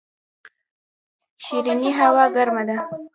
ښرنې هوا ګرمه ده؟